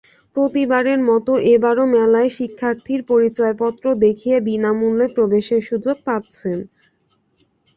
প্রতিবারের মতো এবারও মেলায় শিক্ষার্থীরা পরিচয়পত্র দেখিয়ে বিনা মূল্যে প্রবেশের সুযোগ পাচ্ছেন।